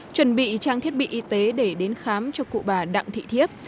chuẩn bị trang thiết bị y tế để đến khám cho cụ bà đặng thị thiếp